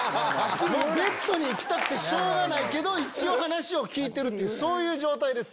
ベッドに行きたくてしょうがないけど一応話を聞いてるっていうそういう状態です。